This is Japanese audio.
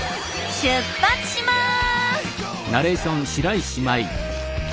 出発します！